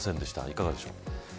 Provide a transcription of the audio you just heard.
いかがでしょう。